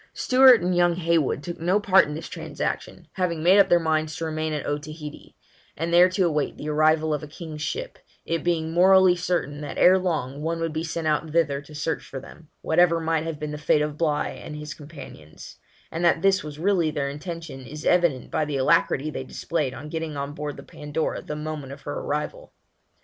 Stewart and young Heywood took no part in this transaction, having made up their minds to remain at Otaheite, and there to await the arrival of a king's ship, it being morally certain that ere long one would be sent out thither to search for them, whatever might have been the fate of Bligh and his companions; and that this was really their intention is evident by the alacrity they displayed in getting on board the Pandora, the moment of her arrival.